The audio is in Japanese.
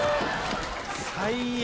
最悪。